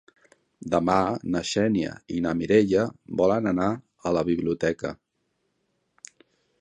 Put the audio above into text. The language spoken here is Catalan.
Demà na Xènia i na Mireia volen anar a la biblioteca.